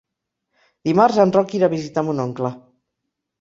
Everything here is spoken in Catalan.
Dimarts en Roc irà a visitar mon oncle.